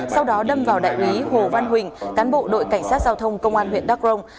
sau đó đâm vào đại úy hồ văn huỳnh cán bộ đội cảnh sát giao thông công an huyện đắk rồng